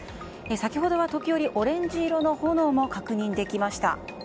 先ほどは時折、オレンジ色の炎も確認できました。